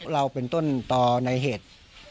เราเป็นต้นต่อในเหตุ